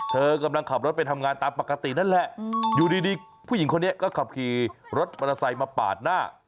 ทำงานตามปกตินั่นแหละอยู่ดีผู้หญิงคนนี้ก็ขับขี่รถมอเตอร์ไซค์มาปาดหน้า